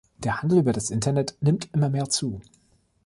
Der Handel über das Internet nimmt immer mehr zu.